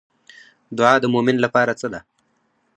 دعا د مومن لپاره څه ده؟